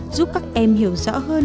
giúp các em hiểu rõ hơn